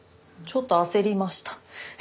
ちょっと焦りました。